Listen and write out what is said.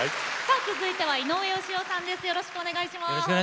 続いては井上芳雄さんです。